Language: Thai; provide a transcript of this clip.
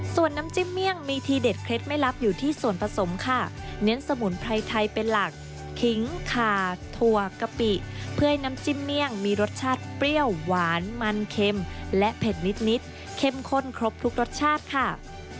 ส่วนน้ำจิ้มเมี่ยงมีทีเด็ดเคล็ดไม่ลับอยู่ที่ส่วนผสมค่ะเน้นสมุนไพรไทยเป็นหลักขิงขาถั่วกะปิเพื่อให้น้ำจิ้มเมี่ยงมีรสชาติเปรี้ยวหวานมันเค็มและเผ็ดนิดเข้มข้นครบทุกรสชาติค่ะ